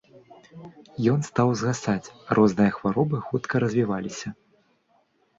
Ён стаў згасаць, а розныя хваробы хутка развіваліся.